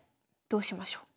どうしましょう？